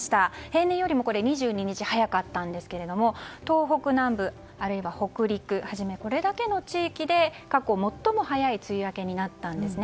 平年よりも２２日早かったんですが東北南部あるいは北陸をはじめこれだけの地域で過去最も早い梅雨明けになったんです。